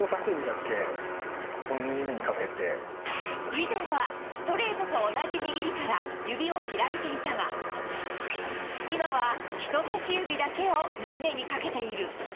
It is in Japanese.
以前はストレートと同じ握りから指を開いていたが今は人差し指だけを縫い目にかけている。